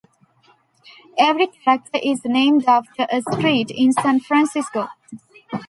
Every character is named after a street in San Francisco.